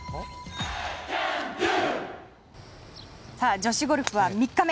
女子ゴルフは３日目。